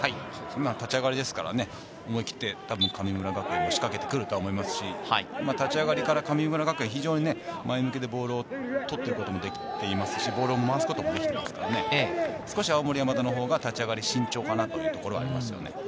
立ち上がりですから思い切って神村学園も仕掛けてくると思いますし、立ち上がりから神村学園、前向きでボールを取っていますし、ボールを回すこともできていますから、青森山田のほうが慎重かなというところがあります。